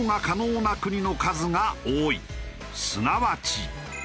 すなわち。